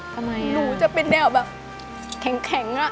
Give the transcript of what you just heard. ทำไมหนูจะเป็นแนวแบบแข็งอะ